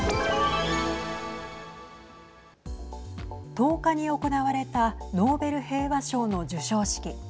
１０日に行われたノーベル平和賞の授賞式。